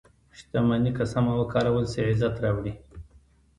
• شتمني که سمه وکارول شي، عزت راوړي.